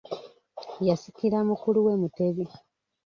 Yasikira mukulu we Mutebi.